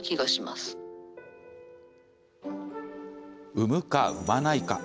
産むか産まないか。